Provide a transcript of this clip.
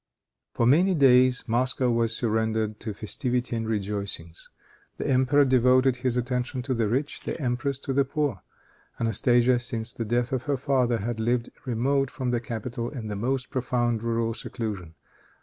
For many days Moscow was surrendered to festivity and rejoicings. The emperor devoted his attention to the rich, the empress to the poor. Anastasia, since the death of her father, had lived remote from the capital, in the most profound rural seclusion.